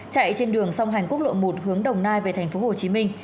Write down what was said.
chạy trên đường song hành quốc lộ một hướng đồng nai về tp hcm